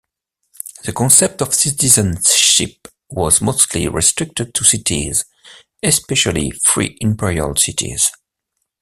The concept of citizenship was mostly restricted to cities, especially free imperial cities.